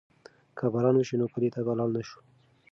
که باران وشي نو کلي ته به لاړ نه شو.